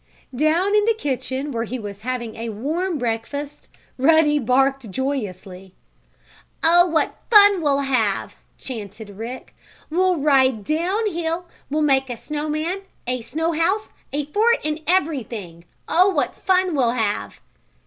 Down in the kitchen, where he was having a warm breakfast, Ruddy barked joyously. "Oh, what fun we'll have!" chanted Rick. "We'll ride down hill, we'll make a snow man, a snow house, a fort and everything! Oh, what fun we'll have!"